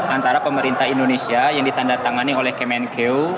antara pemerintah indonesia yang ditandatangani oleh kemenkeu